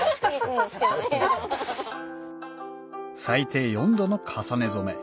最低４度の重ね染め